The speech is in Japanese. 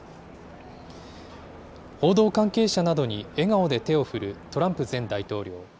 報道関係者などに笑顔で手を振るトランプ前大統領。